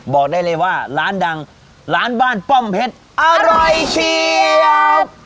บอกได้เลยว่าร้านดังร้านบ้านป้อมเพชรอร่อยเชียบ